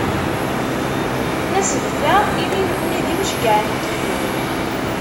Nasbet-aɣ, imi nekni d imceyyɛen n Yillu.